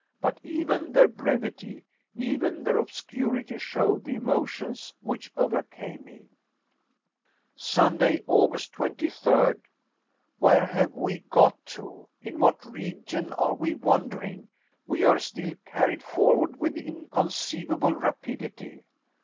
But even their brevity, even their obscurity, show the emotions which overcame me. Sunday, August 23rd. Where have we got to? In what region are we wandering? We are still carried forward with inconceivable rapidity.